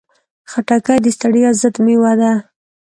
خټکی د ستړیا ضد مېوه ده.